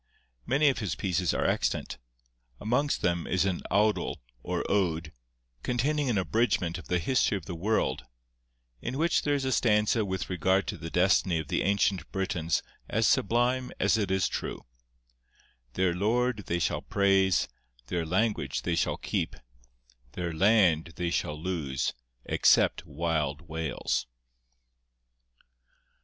Many of his pieces are extant; amongst them is an awdl or ode, containing an abridgment of the history of the world, in which there is a stanza with regard to the destiny of the ancient Britons as sublime as it is true:— 'Their Lord they shall praise, Their language they shall keep, Their land they shall lose Except wild Wales.